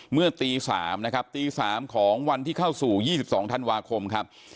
เมื่อตี๓นะครับตี๓ของวันที่เข้าสู่๒๒ธันวาคมครับ